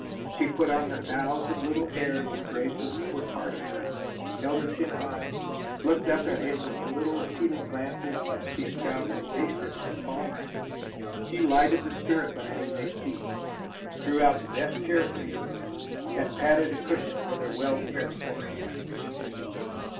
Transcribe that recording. She put on the thousand little airs and graces that were a part of her held her chin high, looked up at him with the little appealing glances that she had found were wasted on Palmer. She lighted the spirit lamp to make tea, drew out the best chair for him, and patted a cushion with her well cared for hands.